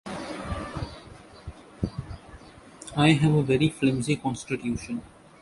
I have a very flimsy constitution.